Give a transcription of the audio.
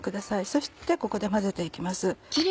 そしてここで混ぜていきます。